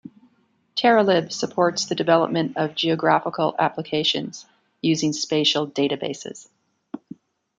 TerraLib supports the development of geographical applications using spatial databases.